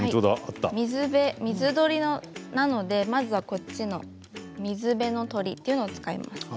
水鳥なのでまずはこちらの水辺の鳥というのを使います。